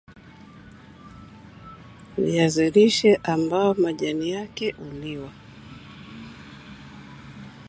viazi lishe zao ambalo majani yake huliwa